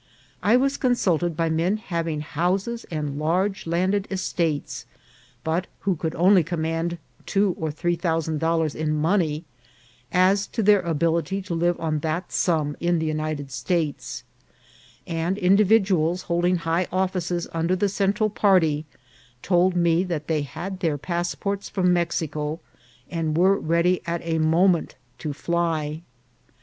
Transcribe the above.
I was consulted by men having houses and large landed estates, but who could only command two or three thousand dollars in money, as to their ability to live on that sum in the United States ; and individuals holding high offices under the Central party told me that they had their passports from Mexico, and were ready at any moment to fly.